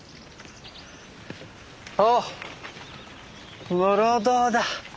おお室堂だ！